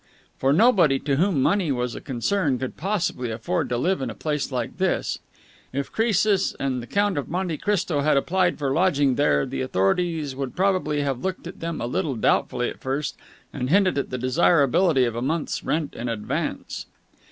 For nobody to whom money was a concern could possibly afford to live in a place like this. If Croesus and the Count of Monte Cristo had applied for lodging there, the authorities would probably have looked on them a little doubtfully at first and hinted at the desirability of a month's rent in advance.